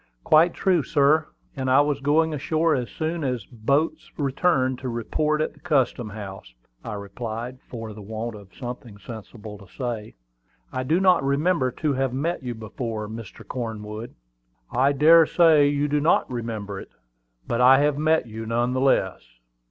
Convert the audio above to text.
"Quite true, sir; and I was going ashore as soon as the boats returned to report at the custom house," I replied, for the want of something sensible to say. "I do not remember to have met you before, Mr. Cornwood." "I dare say you do not remember it; but I have met you none the less."